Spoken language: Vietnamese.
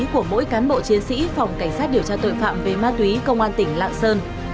của mỗi cán bộ chiến sĩ phòng cảnh sát điều tra tội phạm về ma túy công an tỉnh lạng sơn